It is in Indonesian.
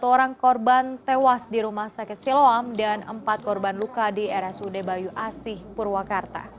satu orang korban tewas di rumah sakit siloam dan empat korban luka di rsud bayu asih purwakarta